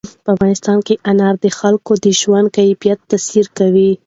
په افغانستان کې انار د خلکو د ژوند کیفیت تاثیر کوي.